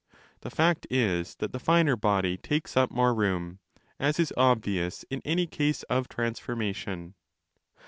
The fact is that the finer body takes up more room, as is obvious in any case of transforma 15 tion.